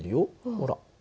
ほら。